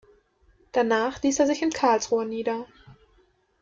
Danach ließ er sich in Karlsruhe nieder.